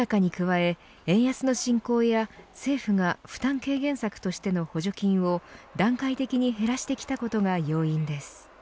原油高に加え、円安の進行や政府が負担軽減策としての補助金を段階的に減らしてきたことが要因です。